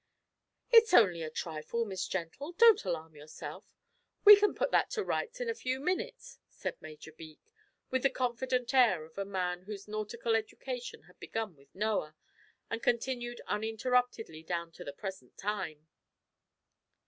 "It's only a trifle, Miss Gentle; don't alarm yourself. We can put that to rights in a few minutes," said Major Beak, with the confident air of a man whose nautical education had begun with Noah, and continued uninterruptedly down to the present time.